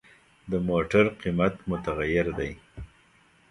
د موټر قیمت متغیر دی.